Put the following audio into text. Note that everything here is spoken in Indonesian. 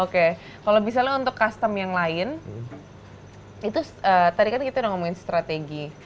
oke kalau misalnya untuk custom yang lain itu tadi kan kita udah ngomongin strategi